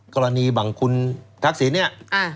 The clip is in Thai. กรณีบังคุณทักษิณเนี่ย